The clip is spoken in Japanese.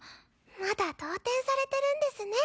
まだ動転されてるんですね。